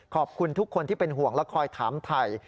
ขอบคุณทุกคนที่เป็นห่วงและคอยถามไทย